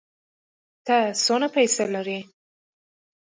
ته څونه پېسې لرې؟